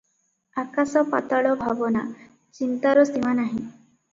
ଆକାଶ ପାତାଳ ଭାବନା, ଚିନ୍ତାର ସୀମା ନାହିଁ ।